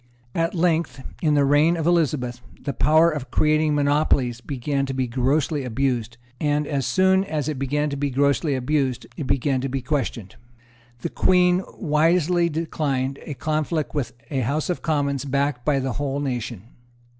At length, in the reign of Elizabeth, the power of creating monopolies began to be grossly abused; and, as soon as it began to be grossly abused, it began to be questioned. The Queen wisely declined a conflict with a House of Commons backed by the whole nation.